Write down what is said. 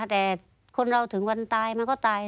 แต่คนเราถึงวันตายมันก็ตาย